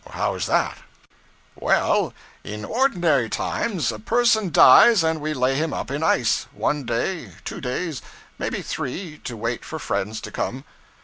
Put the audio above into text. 'How is that?' 'Well, in ordinary times, a person dies, and we lay him up in ice; one day two days, maybe three, to wait for friends to come.